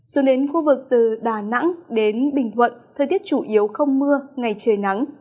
xuống đến khu vực từ đà nẵng đến bình thuận thời tiết chủ yếu không mưa ngày trời nắng